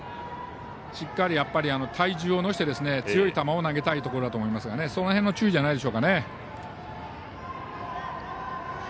しっかり体重を乗せて強い球を投げたいところだと思いますがその辺の注意じゃないでしょうか。